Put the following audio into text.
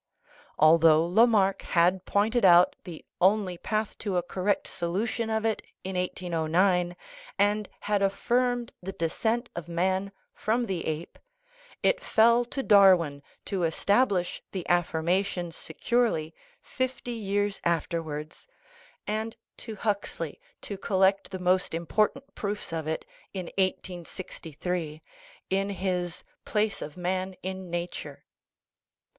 Although Lamarck had pointed out 378 SOLUTION OF THE WORLD PROBLEMS the only path to a correct solution of it in 1809, and had affirmed the descent of man from the ape, it fell to Darwin to establish the affirmation securely fifty years afterwards, and to Huxley to collect the most important proofs of it in 1863, in his Place of Man in Nature.